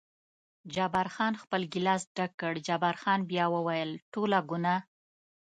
جبار خان خپل ګیلاس ډک کړ، جبار خان بیا وویل: ټوله ګناه.